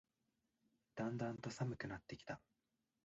だんだんと寒くなってきた